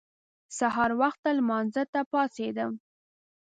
سهار وخته لمانځه ته پاڅېدم.